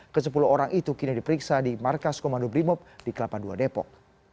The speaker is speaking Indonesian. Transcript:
ke sepuluh orang itu kini diperiksa di markas komando brimob di kelapa dua depok